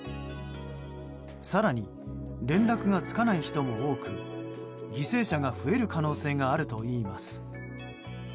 更に、連絡がつかない人も多く犠牲者が増える可能性があるといいます。